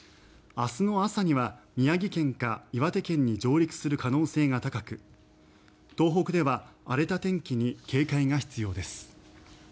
明日の朝には、宮城県か岩手県に上陸する可能性が高く東北では荒れた天気に警戒が必要です。